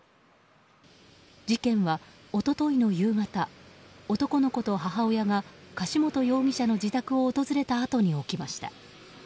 事件は一昨日の夕方男の子と母親が柏本容疑者の自宅を訪れたあとに起きました。